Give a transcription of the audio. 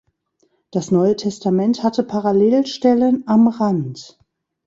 Das Neue Testament hatte Parallelstellen am Rand.